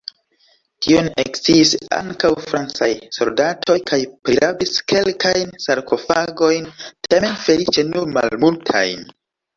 Tion eksciis ankaŭ francaj soldatoj kaj prirabis kelkajn sarkofagojn, tamen feliĉe nur malmultajn.